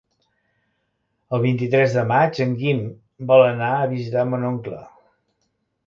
El vint-i-tres de maig en Guim vol anar a visitar mon oncle.